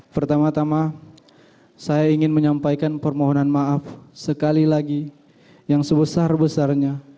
pertama tama saya ingin menyampaikan permohonan maaf sekali lagi yang sebesar besarnya